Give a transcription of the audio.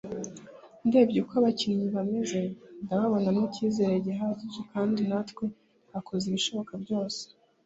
” Ndebye uko abakinnyi bameze ndababonamo icyizere gihagije kandi natwe twakoze ibishoboka byose